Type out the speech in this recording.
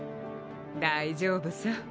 大丈夫さ。